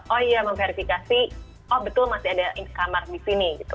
oh iya memverifikasi oh betul masih ada instamar di sini gitu